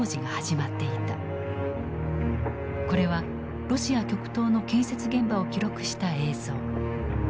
これはロシア極東の建設現場を記録した映像。